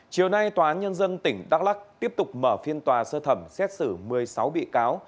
chiều nay tòa án nhân dân tỉnh đắk lắc tiếp tục mở phiên tòa sơ thẩm xét xử một mươi sáu bị cáo